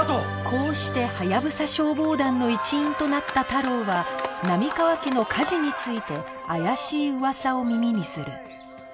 こうしてハヤブサ消防団の一員となった太郎は波川家の火事について怪しい噂を耳にする